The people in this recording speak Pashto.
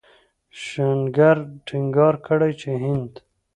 شنکر ټينګار کړی چې هند